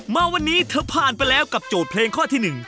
มาวันนี้เธอผ่านไปแล้วกับโจทย์เพลงข้อที่๑